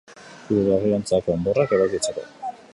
Hirurogei ontzako enborrak ebakitzeko.